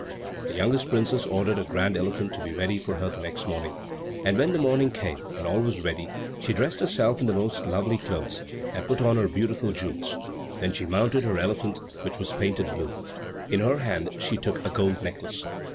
The youngest princess ordered a grand elephant to be ready for her the next morning, and when the morning came, and all was ready, she dressed herself in the most lovely clothes, and put on her beautiful jewels; then she mounted her elephant, which was painted blue. In her hand she took a gold necklace.